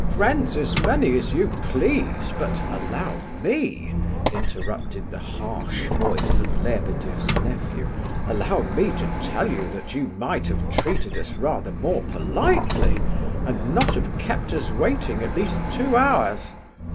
"Friends as many as you please, but allow me," interrupted the harsh voice of Lebedeff's nephew—"allow me to tell you that you might have treated us rather more politely, and not have kept us waiting at least two hours...